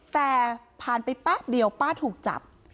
แต่ผ่านไปแป๊บเดียวป้าถูกจับ